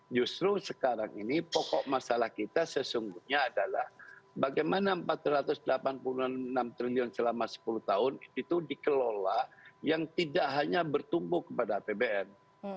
justru sekarang ini pokok masalah kita sesungguhnya adalah bagaimana rp empat ratus delapan puluh enam triliun selama sepuluh tahun itu dikelola yang tidak hanya bertumbuh kepada apbn